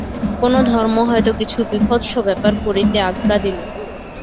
কোন ধর্ম হয়তো কিছু বীভৎস ব্যাপার করিতে আজ্ঞা দিল।